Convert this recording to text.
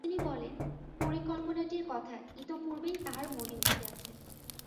তিনি বলেন, পরিকল্পনাটির কথা ইতঃপূর্বেই তাঁহার মনে উঠিয়াছে।